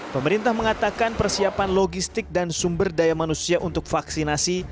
pemerintah mengatakan persiapan logistik dan sumber daya manusia untuk vaksinasi